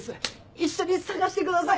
一緒に捜してください！